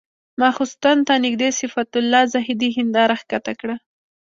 ماخستن ته نږدې صفت الله زاهدي هنداره ښکته کړه.